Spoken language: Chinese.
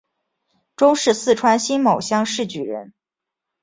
中式四川辛卯乡试举人。